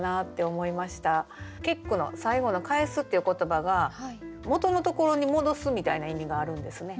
結句の最後の「還す」っていう言葉が元のところに戻すみたいな意味があるんですね。